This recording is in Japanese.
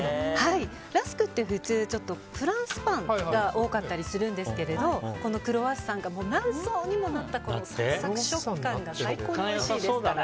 ラスクって普通フランスパンが多かったりするんですけどこのクロワッサンが何層にもなったサクサク食感が最高においしいですから。